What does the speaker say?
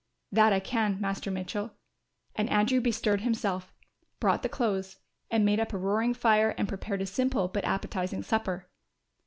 "That I can, Master Mitchell," and Andrew bestirred himself, brought the clothes and made up a roaring fire and prepared a simple but appetising supper.